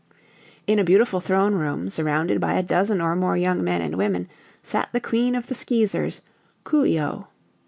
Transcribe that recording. In a beautiful throne room, surrounded by a dozen or more young men and women, sat the Queen of the Skeezers, Coo ee oh.